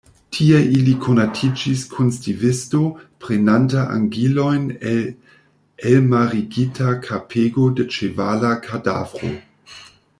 Tie ili konatiĝis kun stivisto, prenanta angilojn el elmarigita kapego de ĉevala kadavro.